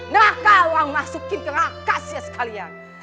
nakal uang masukin ke rakasnya sekalian